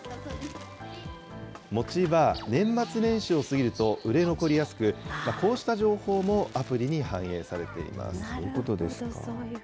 餅は年末年始を過ぎると売れ残りやすく、こうした情報もアプそういうことですか。